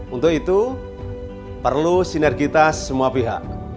untuk itu perlu sinergitas semua pihak